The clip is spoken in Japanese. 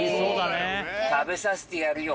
食べさせてやるよ。